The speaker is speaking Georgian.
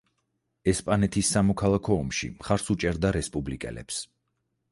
ესპანეთის სამოქალაქო ომში მხარს უჭერდა რესპუბლიკელებს.